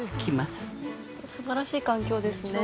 すばらしい環境ですね